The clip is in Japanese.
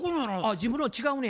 自分の違うねや。